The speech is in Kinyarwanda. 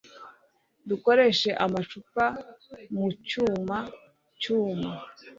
Dukoresha amacupa mu cyuma cyuma.